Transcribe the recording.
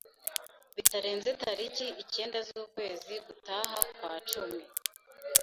bitarenze tariki icyenda z'ukwezi gutaha kwa cumi.